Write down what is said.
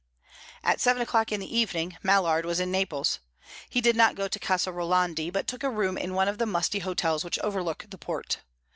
At seven o'clock in the evening, Mallard was in Naples. He did not go to Casa Rolandi, but took a room in one of the musty hotels which overlook the port.